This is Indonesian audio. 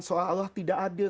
salah tidak adil